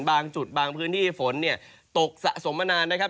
บางจุดบางพื้นที่ฝนตกสะสมมานาน